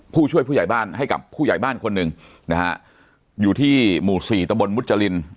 ผู้ช่วยผู้ใหญ่บ้านให้กับผู้ใหญ่บ้านคนหนึ่งนะฮะอยู่ที่หมู่สี่ตะบนมุจริน